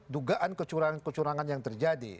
dugaan kecurangan kecurangan yang terjadi